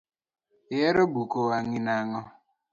Ihero buko wangi nango?